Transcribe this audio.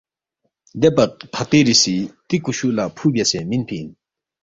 دے فقیری سی دی کُشُو لہ فُو بیاسے مِنفی اِن